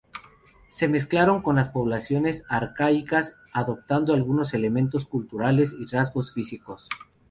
Se mezclaron con las poblaciones arcaicas adoptando algunos elementos culturales y rasgos físicos.